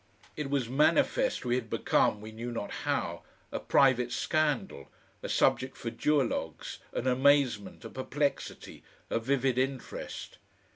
It was manifest we had become we knew not how a private scandal, a subject for duologues, an amazement, a perplexity, a vivid interest.